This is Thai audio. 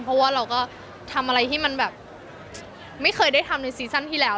เพราะว่าเราก็ทำอะไรที่มันแบบไม่เคยได้ทำในซีซั่นที่แล้ว